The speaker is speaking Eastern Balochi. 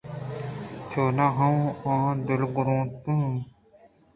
چوناہا من ہم دلترکّیتاں